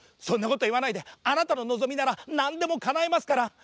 「そんなこといわないであなたののぞみならなんでもかなえますから！」。